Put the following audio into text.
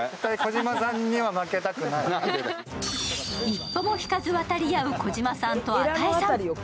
一歩も引かず渡り合う児嶋さんと與さん。